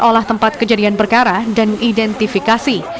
olah tempat kejadian perkara dan identifikasi